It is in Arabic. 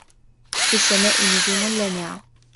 فِي السَّمَاءِ نُجُومٌ لاَمِعَةٌ.